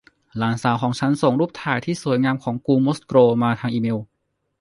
หลานสาวของฉันส่งรูปถ่ายที่สวยงามของกรุงมอสโกทางอีเมล